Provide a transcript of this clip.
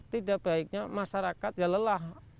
tidak baiknya masyarakat ya lelah